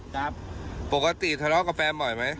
ครับปกติทะเลาะกับแฟนบ่อยไหม